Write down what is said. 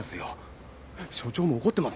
署長も怒ってますよ。